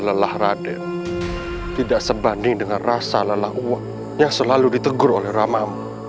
lelah raden tidak sebanding dengan rasa lelah uang yang selalu ditegur oleh ramamu